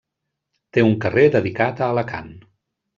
Té un carrer dedicat a Alacant.